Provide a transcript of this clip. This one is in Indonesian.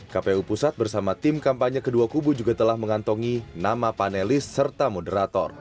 kpu pusat bersama tim kampanye kedua kubu juga telah mengantongi nama panelis serta moderator